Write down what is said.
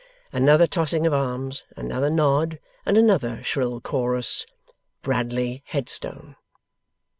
Another tossing of arms, another nod, and another shrill chorus: 'Bradley Headstone!